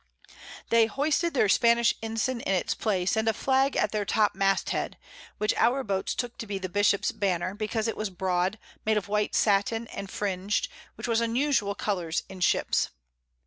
They hoisted their Spanish Ensign in its place, and a Flag at their Top Mast Head; which our Boats took to be the Bishop's Banner, because it was broad, made of white Sattin and fring'd, which was unusual Colours in Ships.